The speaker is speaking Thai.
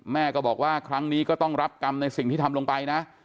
แม่ก็บอกว่าครั้งนี้ก็ต้องรับกรรมในสิ่งที่ทำลงไปนะ